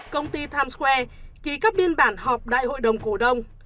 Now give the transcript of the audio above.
công ty times square ký các biên bản họp đại hội đồng cổ đông